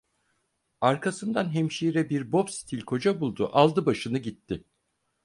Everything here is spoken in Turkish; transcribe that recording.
Arkasından hemşire bir bobstil koca buldu, aldı başını gitti.